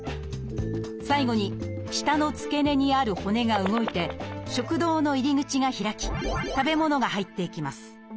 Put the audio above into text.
最後に舌の付け根にある骨が動いて食道の入り口が開き食べ物が入っていきます。